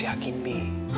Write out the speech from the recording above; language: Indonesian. beri hakim bi